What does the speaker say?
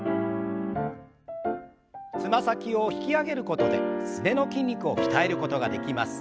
つま先を引き上げることですねの筋肉を鍛えることができます。